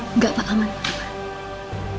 enggak pak aman